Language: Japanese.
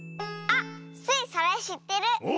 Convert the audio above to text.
あっスイそれしってる！